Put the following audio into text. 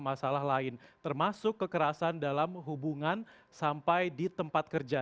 masalah lain termasuk kekerasan dalam hubungan sampai di tempat kerja